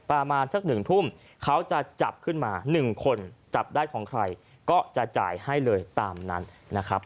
ประมาณสัก๑ทุ่มเขาจะจับขึ้นมา๑คนจับได้ของใครก็จะจ่ายให้เลยตามนั้นนะครับ